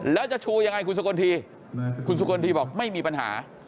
แล้วจะชูยังไงคุณสกลทีคุณสกลทีบอกไม่มีปัญหา